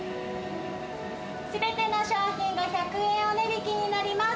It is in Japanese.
すべての商品が１００円お値引きになります。